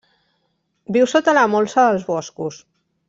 Viu sota la molsa dels boscos.